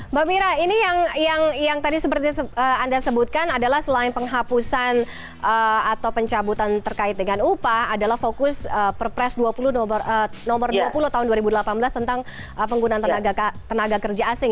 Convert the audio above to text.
mbak mira ini yang tadi seperti anda sebutkan adalah selain penghapusan atau pencabutan terkait dengan upah adalah fokus perpres nomor dua puluh tahun dua ribu delapan belas tentang penggunaan tenaga kerja asing